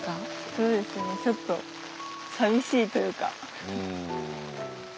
そうですねちょっとさみしいというか。